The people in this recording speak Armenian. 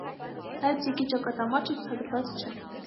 Լայցիգի ճակատամարտը ցուցադրված չէ։